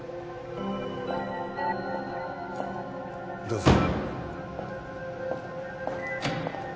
どうぞ。